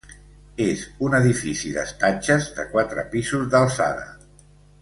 És un edifici d'estatges de quatre pisos d'alçada.